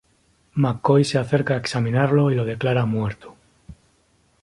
McCoy se acerca a examinarlo y lo declara muerto.